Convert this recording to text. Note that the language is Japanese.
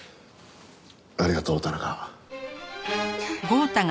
ありがとう田中。